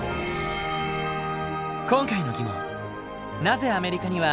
今回の疑問。